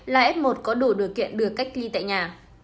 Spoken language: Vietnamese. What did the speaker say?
là f một có đủ điều kiện được cách ly tại nhà